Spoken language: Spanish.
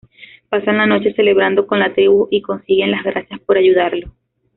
Pasan la noche celebrando con la tribu y consiguen las gracias por ayudarlos.